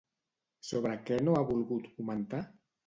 Sobre què no ha volgut comentar?